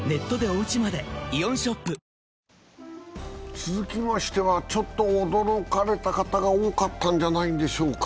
続きましては、ちょっと驚かれた方が多かったんじゃないでしょうか。